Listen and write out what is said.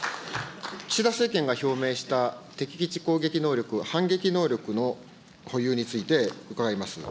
岸田政権が表明した敵基地攻撃能力、反撃能力の保有について伺います。